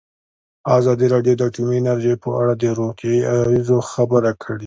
ازادي راډیو د اټومي انرژي په اړه د روغتیایي اغېزو خبره کړې.